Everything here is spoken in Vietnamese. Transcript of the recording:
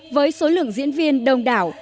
với số lượng diễn viên đông đảo